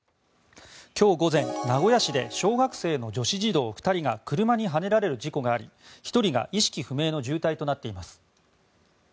今日午前、名古屋市で小学生の女子児童２人が車にはねられる事故があり１人が意識不明の重体となっています。